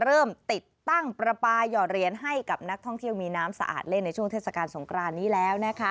เริ่มติดตั้งประปาหยอดเหรียญให้กับนักท่องเที่ยวมีน้ำสะอาดเล่นในช่วงเทศกาลสงครานนี้แล้วนะคะ